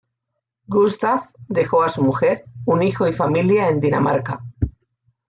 Gustaf dejó a su mujer, un hijo y familia en Dinamarca.